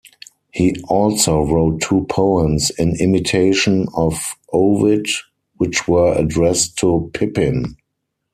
He also wrote two poems in imitation of Ovid, which were addressed to Pippin.